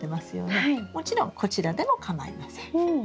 もちろんこちらでもかまいません。